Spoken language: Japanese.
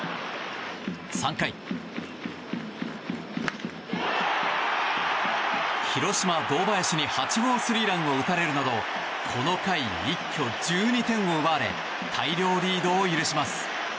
３回、広島、堂林に８号スリーランを打たれるなどこの回、一挙１２点を奪われ大量リードを許します。